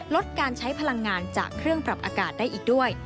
ลดการใช้พลังงานจากเครื่องปรับอากาศได้อีกด้วย